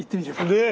ねえ。